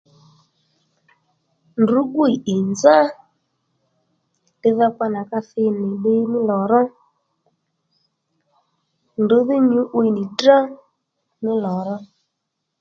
Ndrǔ gwíy ì nzá lidhokpa nà ka thinì nì ddiy mí lò ró ndrǔ dhí nyǔ'wiy ní ddrá mí lò ró